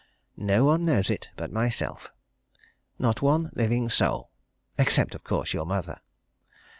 No one knows it but myself not one living soul! Except, of course, your mother.